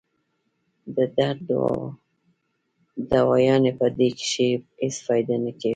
د درد دوايانې پۀ دې کښې هېڅ فائده نۀ کوي